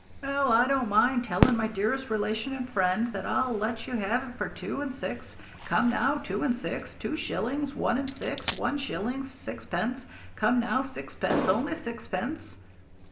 'Well, I don't mind telling my dearest relation and friend, that I'll let you have it for two and six. Come now, two and six, two shillings, one and six, one shilling, sixpence. Come now, sixpence! Only sixpence!'